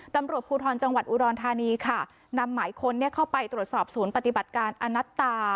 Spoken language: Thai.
ตำรวจภูทรจังหวัดอุดรธานีค่ะนำหมายค้นเข้าไปตรวจสอบศูนย์ปฏิบัติการอนัตตา